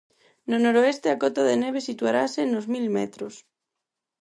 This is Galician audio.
No noroeste a cota de neve situarase nos mil metros.